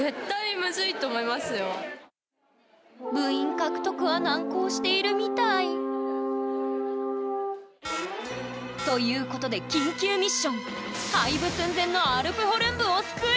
部員獲得は難航しているみたい。ということで緊急ミッション！